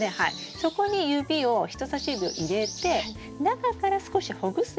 そこに指を人さし指を入れて中から少しほぐすようにして。